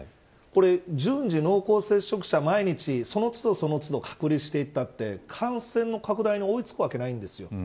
これ順次、濃厚接触者毎日、その都度隔離していったって感染の拡大に追い付くわけがないんです。